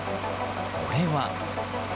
それは。